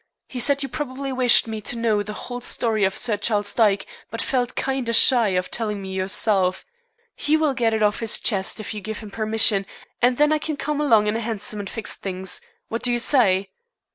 He said you probably wished me to know the whole story of Sir Charles Dyke, but felt kinder shy of telling me yourself. He will get it off his chest if you give him permission, and then I can come along in a hansom and fix things. What do you say?'